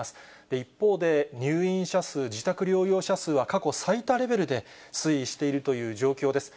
一方で、入院者数、自宅療養者数は過去最多レベルで推移しているという状況です。